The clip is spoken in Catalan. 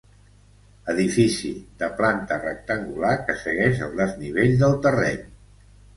Edifici de planta rectangular que segueix el desnivell del terreny.